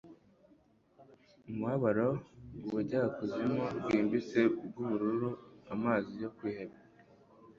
umubabaro, ubujyakuzimu bwimbitse bwubururu, amazi yo kwiheba